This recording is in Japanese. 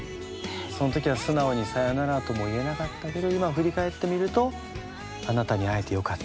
そん時は素直にさよならとも言えなかったけど今振り返ってみるとあなたに会えてよかった。